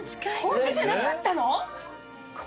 紅茶じゃなかったの？